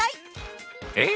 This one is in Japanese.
え⁉